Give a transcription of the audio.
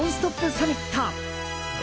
サミット。